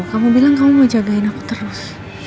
kamu bilang kamu mau jagain aku terus